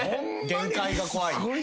限界怖い。